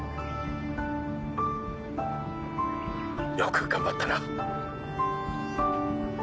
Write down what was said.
よく頑張ったな。